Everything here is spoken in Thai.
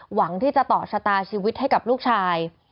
หวังที่จะต่อชะตาชีวิตให้กับลูกชาย